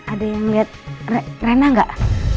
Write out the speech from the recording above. ada yang liat rena gak